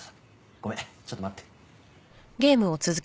ごめんちょっと待って。